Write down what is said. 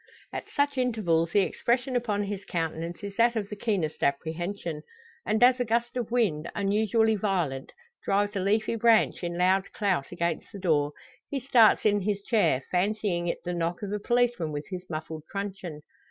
At such intervals the expression upon his countenance is that of the keenest apprehension; and as a gust of wind, unusually violent, drives a leafy branch in loud clout against the door, he starts in his chair, fancying it the knock of a policeman with his muffled truncheon!